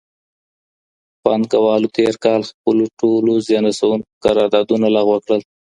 پانګوالو تېر کال خپل ټول زيان رسونکي قراردادونه لغوه کړل.